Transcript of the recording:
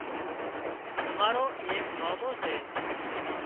امارو ايڪ مامو سي